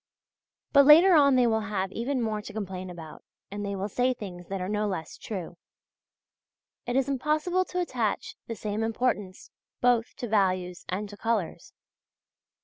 But later on they will have even more to complain about, and they will say things that are no less true. It is impossible to attach the same importance both to values and to colours.